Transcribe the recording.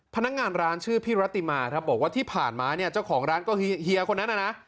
พนักงานร้านชื่อพี่รัติมาครับบอกว่าที่ผ่านมาเนี่ยเจ้าของร้านก็เฮียคนนั้นน่ะนะ